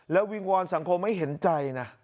แล้ววิงวอนสังคมให้เห็นใจนะ